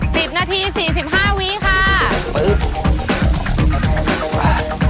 สิบนาทีสี่สิบห้าวิค่ะ